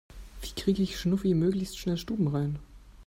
Wie kriege ich Schnuffi möglichst schnell stubenrein?